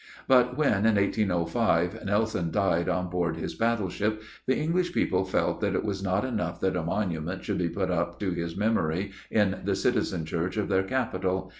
But when, in 1805, Nelson died on board his battleship, the English people felt that it was not enough that a monument should be put up to his memory in the Citizen Church of their Capital.